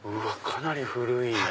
かなり古い。